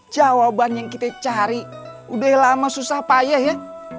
jawaban yang kita cari udah lama susah payah ya